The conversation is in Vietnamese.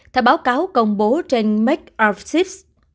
theo báo cáo công bố trên make of sips